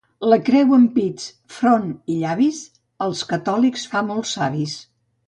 La creu en pits, front i llavis als catòlics fa molt savis.